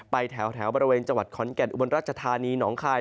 แถวบริเวณจังหวัดขอนแก่นอุบลราชธานีหนองคาย